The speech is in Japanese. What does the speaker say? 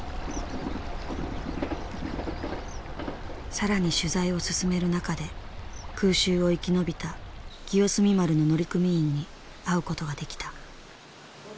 更に取材を進める中で空襲を生き延びた清澄丸の乗組員に会うことができた。